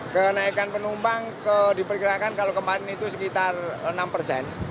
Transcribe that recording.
kenaikan penumpang diperkirakan kalau kemarin itu sekitar enam persen